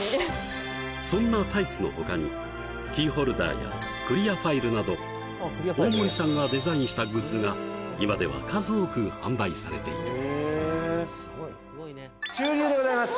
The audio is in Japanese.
そんなタイツの他にキーホルダーやクリアファイルなど大森さんがデザインしたグッズが今では数多く販売されている中流でございます